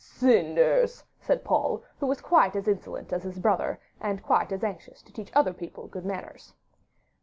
'Cinders,' said Paul, who was quite as insolent as his brother, and quite as anxious to teach other people good manners.